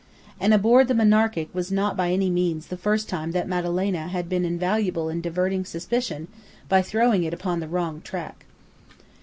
And aboard the Monarchic was not by any means the first time that Madalena had been invaluable in diverting suspicion by throwing it upon the wrong track.